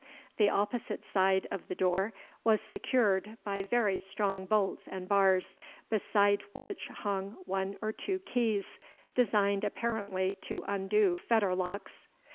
The opposite side of the door was secured by very strong bolts and bars, beside which hung one or two keys, designed apparently to undo fetterlocks.